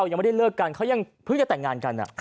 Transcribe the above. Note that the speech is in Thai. ยังไม่ได้เลิกกันเขายังเพิ่งจะแต่งงานกัน